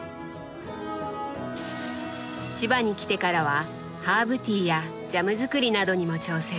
千葉に来てからはハーブティーやジャム作りなどにも挑戦。